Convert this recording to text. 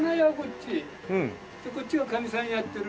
こっちはかみさんやってる。